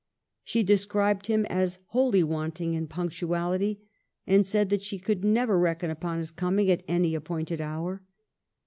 She described him as wholly wanting in punctuality, and said that she could never reckon upon his coming at any appointed hour.